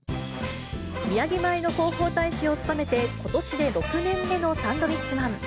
宮城米の広報大使を務めて、ことしで６年目のサンドウィッチマン。